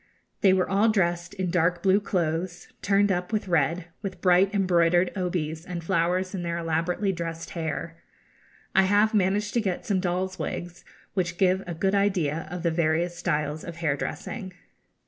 They were all dressed in dark blue clothes, turned up with red, with bright embroidered obis and flowers in their elaborately dressed hair. I have managed to get some dolls' wigs, which give a good idea of the various styles of hair dressing.